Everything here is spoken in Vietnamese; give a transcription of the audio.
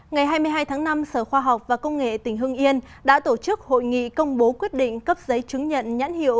ngày hai mươi hai tháng năm sở khoa học và công nghệ tỉnh hưng yên đã tổ chức hội nghị công bố quyết định cấp giấy chứng nhận nhãn hiệu